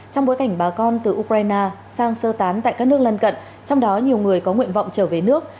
trong bối cảnh bà con từ ukraine sang sơ tán tại các nước lân cận trong đó nhiều người có nguyện vọng trở về nước